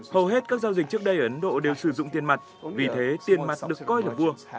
hầu hết các giao dịch trước đây ở ấn độ đều sử dụng tiền mặt vì thế tiền mặt được coi là vua